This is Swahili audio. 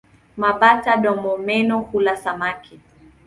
Mabata-domomeno hula samaki.